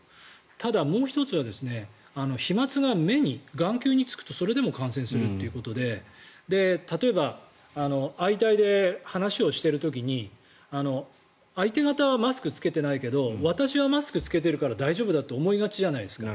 ただ、もう１つは飛まつが目に、眼球につくとそれでも感染するということで例えば、相対で話をしている時に相手方はマスクを着けていないけど私はマスクを着けているから大丈夫だと思いがちじゃないですか。